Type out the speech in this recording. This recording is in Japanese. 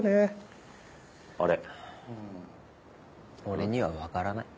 俺にはわからない。